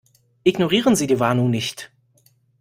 Ignorieren Sie die Warnung nicht.